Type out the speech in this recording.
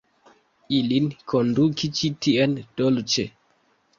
Ilin konduki ĉi tien dolĉe.